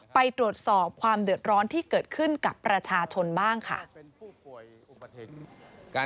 ไปตรวจสอบความเดือดร้อนที่เกิดขึ้นกับประชาชนบ้างค่ะ